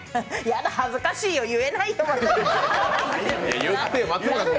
やだ、恥ずかしいよ言えないよ。